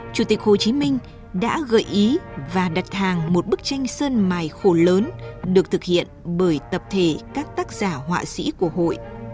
chủ tịch hồ chí minh đã gợi ý và đặt hàng một bức tranh sơn mài khổ lớn được thực hiện bởi tập thể các tác giả họa sĩ của hội